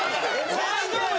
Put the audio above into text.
大丈夫よ！